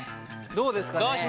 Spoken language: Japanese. どうですかね？